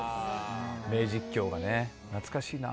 名実況がね懐かしいな。